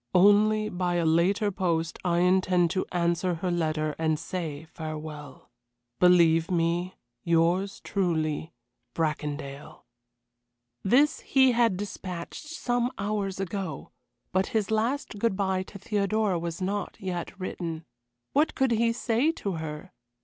Only, by a later post, I intend to answer her letter and say farewell. "Believe me, "Yours truly, "BRACONDALE." This he had despatched some hours ago, but his last good bye to Theodora was not yet written. What could he say to her?